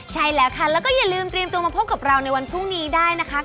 ใช่แล้วค่ะแล้วก็อย่าลืมเตรียมตัวมาพบกับเราในวันพรุ่งนี้ได้นะคะ